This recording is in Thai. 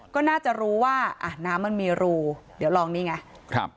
ก็น่าจะรู้ว่าอ่ะน้ำมันมีรูเดี๋ยวลองนี่ไงครับ